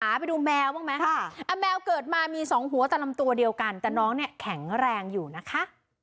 ยินดีมาบิ๊กไปดูแมวบ้างมั้ยค่ะแมวเกิดมามีสองหัวตลำตัวเดียวกันแต่น้องแข็งแรงอยู่นะคะ